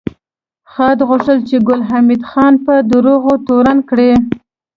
خاد غوښتل چې ګل حمید خان په دروغو تورن کړي